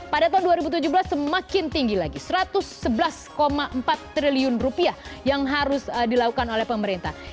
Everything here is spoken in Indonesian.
pada tahun dua ribu tujuh belas semakin tinggi lagi rp satu ratus sebelas empat triliun rupiah yang harus dilakukan oleh pemerintah